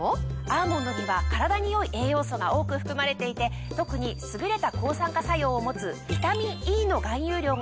アーモンドには体に良い栄養素が多く含まれていて特に優れた抗酸化作用を持つビタミンＥの含有量が非常に多いんです。